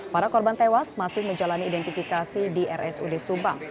para korban tewas masih menjalani identifikasi di rsud subang